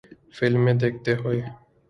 فلمیں دیکھتے ہوئے